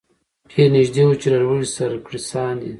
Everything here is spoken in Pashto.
ډېر نیژدې وو چي له لوږي سر کړي ساندي